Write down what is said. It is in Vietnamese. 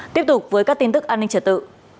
tiếp tục với các tin tức an ninh trật tự